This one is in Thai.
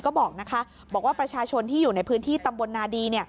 ก็บอกนะคะบอกว่าประชาชนที่อยู่ในพื้นที่ตำบลนาดี